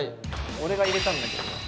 俺が入れたんだけどな。